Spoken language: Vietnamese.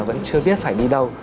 vẫn chưa biết phải đi đâu